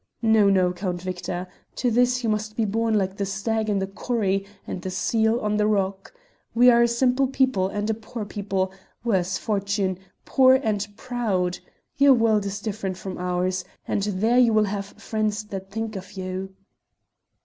"No, no, Count Victor, to this you must be born like the stag in the corrie and the seal on the rock. We are a simple people, and a poor people worse fortune! poor and proud. Your world is different from ours, and there you will have friends that think of you."